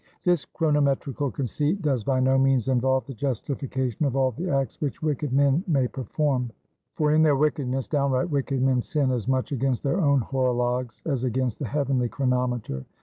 "This chronometrical conceit does by no means involve the justification of all the acts which wicked men may perform. For in their wickedness downright wicked men sin as much against their own horologes, as against the heavenly chronometer.